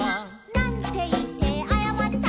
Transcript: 「なんていってあやまった？」